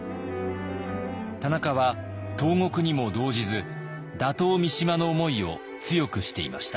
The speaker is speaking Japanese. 田中は投獄にも動じず打倒三島の思いを強くしていました。